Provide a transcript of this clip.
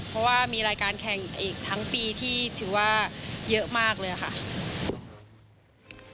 เพราะว่ามีรายการแข่งอีกทั้งปีที่ถือว่าเยอะมากเลยค่ะ